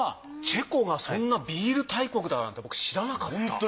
チェコがそんなビール大国だなんて僕知らなかった。